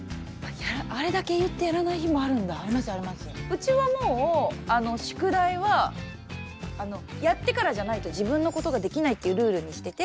うちはもう宿題はやってからじゃないと自分のことができないっていうルールにしてて。